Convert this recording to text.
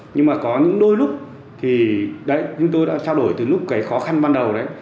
nhưng mà có những đôi lúc thì đấy như tôi đã trao đổi từ lúc cái khó khăn ban đầu đấy